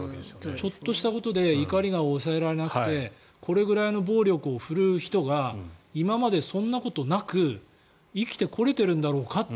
ちょっとしたことで怒りが抑えられなくて暴力を振るう人が今までそんなことなく生きてこれてるんだろうかって